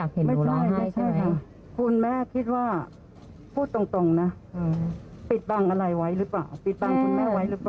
ปิดบังอะไรไว้หรือเปล่าปิดบังคุณแม่ไว้หรือเปล่า